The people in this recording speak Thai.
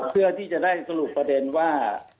เพื่อที่จะได้สรุปประเด็นว่า